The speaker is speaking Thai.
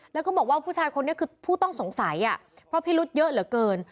แล้วก็บอกว่าผู้ชายคนนี้คือผู้ต้องสงสัยเพราะพิรุษเยอะเหลือเกิน